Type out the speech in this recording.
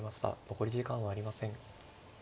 残り時間はありません。